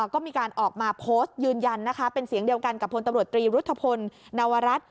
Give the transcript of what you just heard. ก็มีการออกมาโพสต์ยืนยันนะคะเป็นเสียงเดียวกันกับพลตำรวจตรีรุธพลนวรัฐ